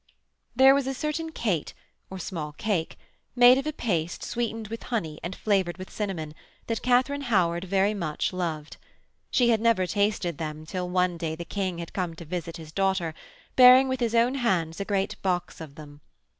There was a certain cate, or small cake, made of a paste sweetened with honey and flavoured with cinnamon, that Katharine Howard very much loved. She had never tasted them till one day the King had come to visit his daughter, bearing with his own hands a great box of them.